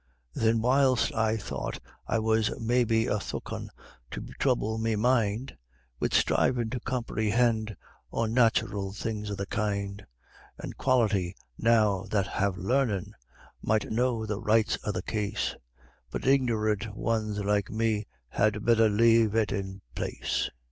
Thin whiles I thought I was maybe a sthookawn to throuble me mind Wid sthrivin' to comprehind onnathural things o' the kind; An' Quality, now, that have larnin', might know the rights o' the case, But ignorant wans like me had betther lave it in pace.